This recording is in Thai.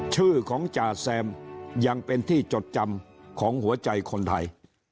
ชื่อของจ่าแซมยังเป็นที่จดจำของหัวใจคนไทย